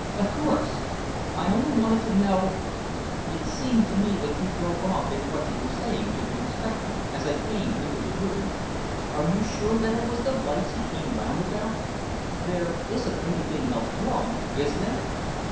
"Of course! I only wanted to know it seemed to me that you broke off in what you were saying to the inspector, as I came into the room. Are you sure that it was the lights he came around about? There isn't anything else wrong, is there?"